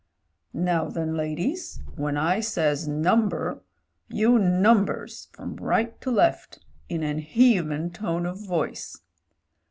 "Now then, ladies, when I says Number — ^you num bers from Right to Left in an heven tone of voice.